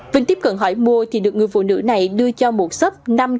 vinh tiếp cận hỏi mua thì được người phụ nữ này đưa cho một sấp